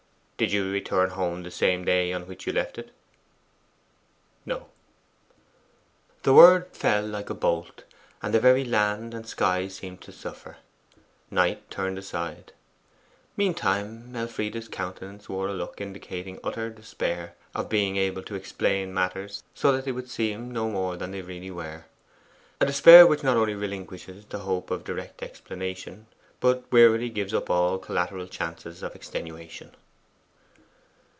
'Did you return home the same day on which you left it?' 'No.' The word fell like a bolt, and the very land and sky seemed to suffer. Knight turned aside. Meantime Elfride's countenance wore a look indicating utter despair of being able to explain matters so that they would seem no more than they really were, a despair which not only relinquishes the hope of direct explanation, but wearily gives up all collateral chances of extenuation.